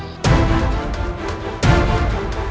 tapi kayak terkena guna guna